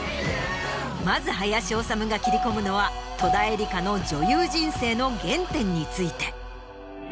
まず林修が切り込むのは戸田恵梨香の女優人生の原点について。